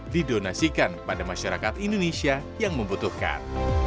didonasikan pada masyarakat indonesia yang membutuhkan